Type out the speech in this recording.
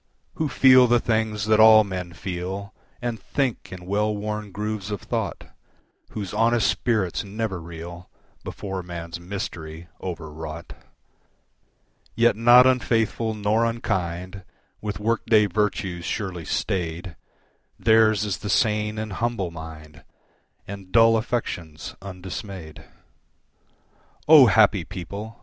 Who feel the things that all men feel, And think in well worn grooves of thought, Whose honest spirits never reel Before man's mystery, overwrought. Yet not unfaithful nor unkind, with work day virtues surely staid, Theirs is the sane and humble mind, And dull affections undismayed. O happy people!